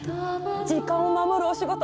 時間を守るお仕事